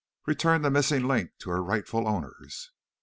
"Returned the missing 'Link' to her rightful owners!"